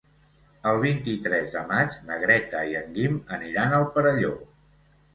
El vint-i-tres de maig na Greta i en Guim aniran al Perelló.